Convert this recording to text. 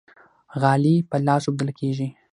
غالۍ په لاس اوبدل کیږي.